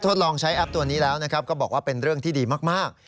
ทดลองใช้แอปตัวนี้แล้วนะครับก็บอกว่าเป็นเรื่องที่ดีมาก